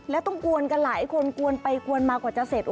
แล้วต้องกวนกันหลายคนกวนไปกวนมากว่าจะเสร็จ